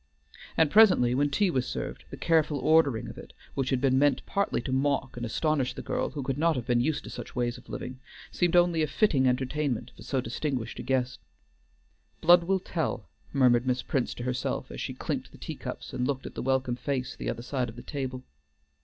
And presently, when tea was served, the careful ordering of it, which had been meant partly to mock and astonish the girl who could not have been used to such ways of living, seemed only a fitting entertainment for so distinguished a guest. "Blood will tell," murmured Miss Prince to herself as she clinked the teacups and looked at the welcome face the other side of the table.